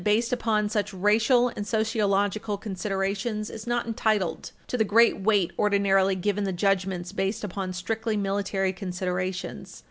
240 based upon such racial and sociological considerations is not entitled to the great weight ordinarily given the judgments based upon strictly military considerations.